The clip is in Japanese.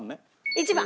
１番。